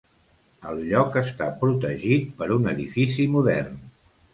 El lloc està protegit per un edifici modern.